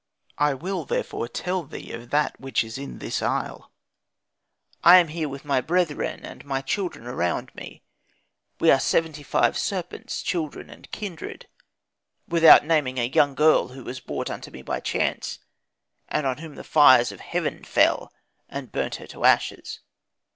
I will therefore tell thee of that which is in this isle. I am here with my brethren and my children around me; we are seventy five serpents, children, and kindred; without naming a young girl who was brought unto me by chance, and on whom the fire of heaven fell, and burnt her to ashes.